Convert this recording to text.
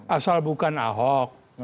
asal bukan ahok